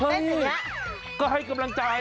เฮ้ยก็ให้กำลังใจ